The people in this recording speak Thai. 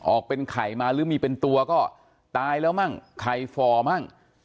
ออกเป็นไข่มาหรือมีเป็นตัวก็ตายแล้วมั่งไข่ฟอร์มั่ง